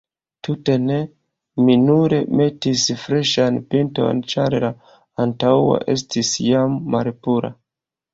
Tute ne, mi nur metis freŝan pinton, ĉar la antaŭa estis jam malpura.